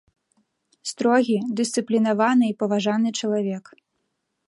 Строгі, дысцыплінаваны і паважаны чалавек.